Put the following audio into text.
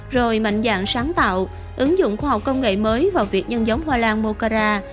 rồi mạnh dạng sáng tạo ứng dụng khoa học công nghệ mới vào việc nhân giống hoa lan mokara